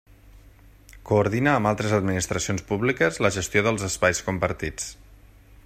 Coordina amb altres administracions públiques la gestió dels espais compartits.